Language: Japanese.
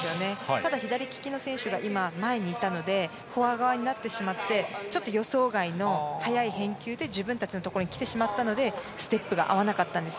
ただ左利きの選手が前にいたのでフォア側になってしまってちょっと予想外の速い返球で自分たちのところにきてしまったのでステップが合わなかったんです。